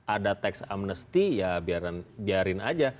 ada teks amnesti ya biarin aja